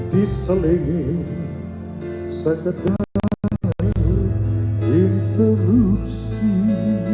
diselingi sekedar interupsi